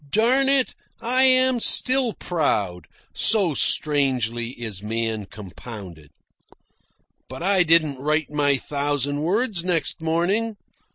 Darn it, I am still proud, so strangely is man compounded. But I didn't write my thousand words next morning.